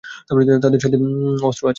তাদের সাথে অস্ত্র আছে।